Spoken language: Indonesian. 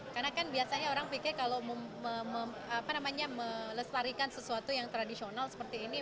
karena kan biasanya orang pikir kalau melestarikan sesuatu yang tradisional seperti ini